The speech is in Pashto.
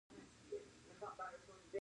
یوه برخه یې له ثابتې پانګې سره یوځای کوي